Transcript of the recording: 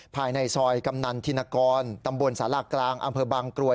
ภายในซอยกำนันธินกรตำบลศาลากลางอำเภอบางกรวย